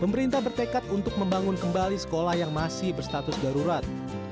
pemerintah bertekad untuk membangun kembali sekolah yang masih berstatus darurat